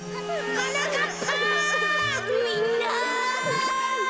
はなかっ